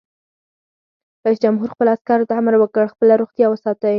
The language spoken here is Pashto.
رئیس جمهور خپلو عسکرو ته امر وکړ؛ خپله روغتیا وساتئ!